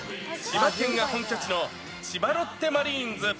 千葉県が本拠地の千葉ロッテマリーンズ。